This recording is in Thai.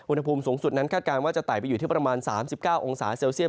อุณหภูมิสูงสุดนั้นคาดการณ์ว่าจะไต่ไปอยู่ที่ประมาณ๓๙องศาเซลเซียต